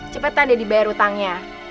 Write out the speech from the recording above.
cepetan deh dibayar hutangnya